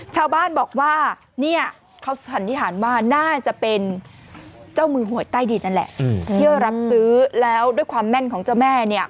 ชาวบ้านบอกว่าเนี่ยเขาสันนิษฐานว่าน่าจะเป็นเจ้ามือหวยใต้ดินนั่นแหละที่รับซื้อแล้วด้วยความแม่นของเจ้าแม่เนี่ย